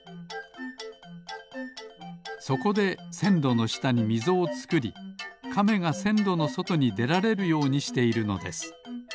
そこでせんろのしたにみぞをつくりカメがせんろのそとにでられるようにしているのです。